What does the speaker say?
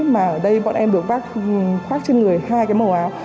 mà ở đây bọn em được bác khoác trên người hai cái màu áo